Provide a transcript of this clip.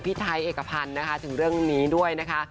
พี่ไทยเอกพันธ์นะคะถึงเรื่องนี้ด้วยนะคะ